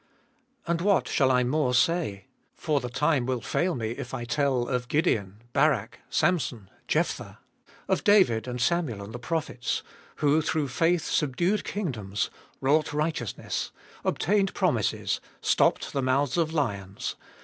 And what shall I more sayP for the time will fall me if I tell of Gideon, Barak, Samson, Jephthah ; of David and Samuel and the prophets : 33. Who through faith subdued kingdoms, wrought righteousness, obtained promises, stopped the mouths of lions, 34.